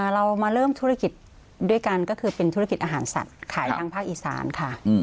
เรามาเริ่มธุรกิจด้วยกันก็คือเป็นธุรกิจอาหารสัตว์ขายทางภาคอีสานค่ะ